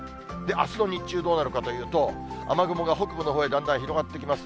あすの日中、どうなるかというと、雨雲が北部のほうへだんだん広がってきます。